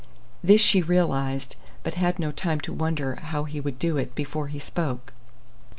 This she realized, but had no time to wonder how he would do it before he spoke.